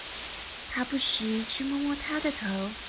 他不時去摸摸她的頭